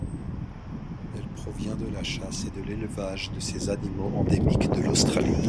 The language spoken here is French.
Elle provient de la chasse et de l'élevage de ces animaux endémiques de l'Australie.